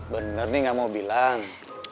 bener nih gak mau bilang